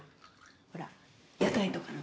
ほら屋台とかの。